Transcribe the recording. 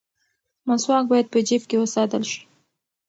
مسواک باید په جیب کې وساتل شي.